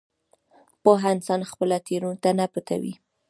پوه انسان خپله تېروتنه نه پټوي.